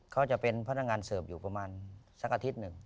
เขาจะเป็นพนักงานเสิร์ฟอยู่ประมาณสักอาทิตย์หนึ่ง